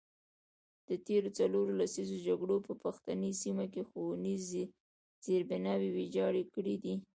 د تیرو څلورو لسیزو جګړو په پښتني سیمو کې ښوونیز زیربناوې ویجاړې کړي دي.